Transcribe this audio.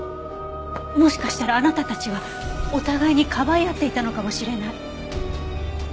もしかしたらあなたたちはお互いに庇い合っていたのかもしれない。